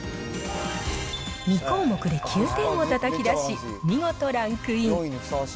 ２項目で９点をたたき出し、見事、ランクイン。